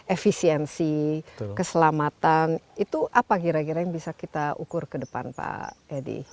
efisiensi keselamatan itu apa kira kira yang bisa kita ukur ke depan pak edi